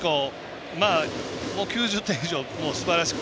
９０点以上のすばらしい。